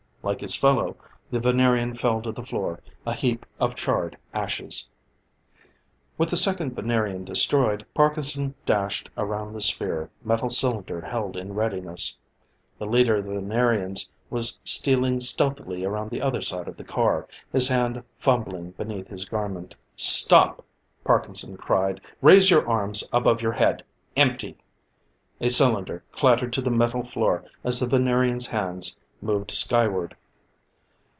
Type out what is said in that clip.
Like his fellow, the Venerian fell to the floor, a heap of charred ashes. With the second Venerian destroyed, Parkinson dashed around the sphere, metal cylinder held in readiness. The leader of the Venerians was stealing stealthily around the other side of the car, his hand fumbling beneath his garment. "Stop!" Parkinson cried. "Raise your hands above your head empty!" A cylinder clattered to the metal floor as the Venerian's hands moved skyward.